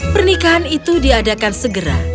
pernikahan itu diadakan segera